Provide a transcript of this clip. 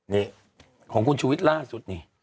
นี่ของคุณชูวิทย์ล่าสุดนี่